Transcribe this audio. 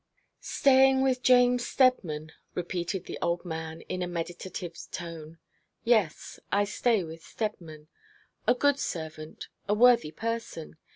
'Staying with James Steadman,' repeated the old man in a meditative tone. 'Yes, I stay with Steadman. A good servant, a worthy person.